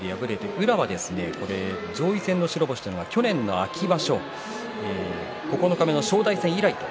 宇良は上位戦の白星去年の秋場所九日目の正代戦以来。